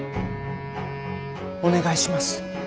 お願いします。